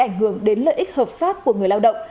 ảnh hưởng đến lợi ích hợp pháp của người lao động